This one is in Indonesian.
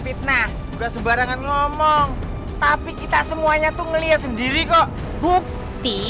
fitnah enggak sebarangan ngomong tapi kita semuanya tuh ngelihat sendiri kok bukti